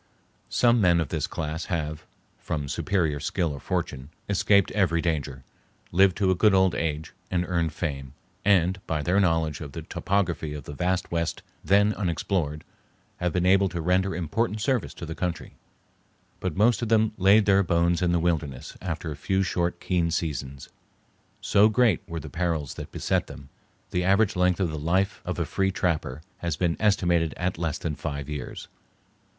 Some men of this class have, from superior skill or fortune, escaped every danger, lived to a good old age, and earned fame, and, by their knowledge of the topography of the vast West then unexplored, have been able to render important service to the country; but most of them laid their bones in the wilderness after a few short, keen seasons. So great were the perils that beset them, the average length of the life of a "free trapper" has been estimated at less than five years.